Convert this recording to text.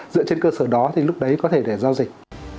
dựa trên cơ sở đó thì lúc đấy có thể để giao dịch